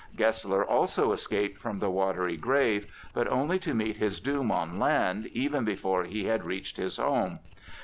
Gessler also escaped from the watery grave, but only to meet his doom on land even before he had reached his home.